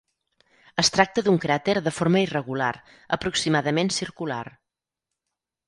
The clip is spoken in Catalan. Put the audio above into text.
Es tracta d'un cràter de forma irregular, aproximadament circular.